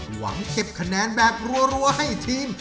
หวังเก็บคะแนนแบบรัวให้ทีม